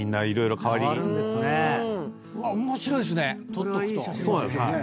これはいい写真ですね。